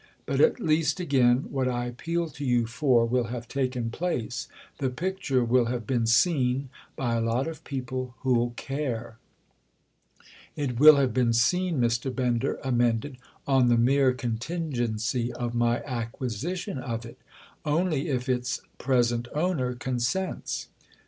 But at least again what I appeal to you for will have taken place—the picture will have been seen by a lot of people who'll care." "It will have been seen," Mr. Bender amended—"on the mere contingency of my acquisition of it—only if its present owner consents."